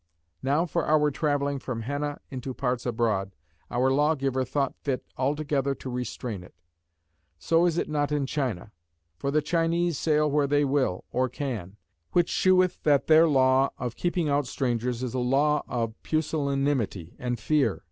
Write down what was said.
Now for our travelling from henna into parts abroad, our Lawgiver thought fit altogether to restrain it. So is it not in China. For the Chinese sail where they will or can; which sheweth that their law of keeping out strangers is a law of pusillanimity and fear.